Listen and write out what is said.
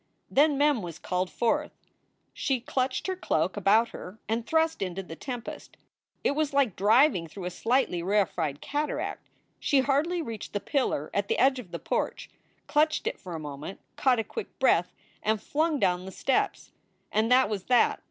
Then Mem was called forth. She clutched her cloak about her and thrust into the tempest. It was like driving through a slightly rarefied cataract. She hardly reached the pillar at the edge of the porch, clutched it for a moment, caught a quick breath, and flung down the steps. And that was that